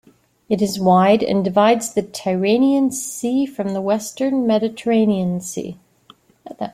It is wide and divides the Tyrrhenian Sea from the western Mediterranean Sea.